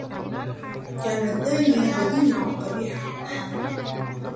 كانت دانية بدينة و قبيحة.